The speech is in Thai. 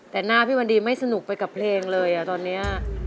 แต่หน้าพี่วันดีไม่สนุกไปกับเพลงเลยตอนนี้